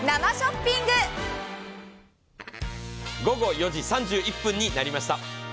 午後４時３１分になりました。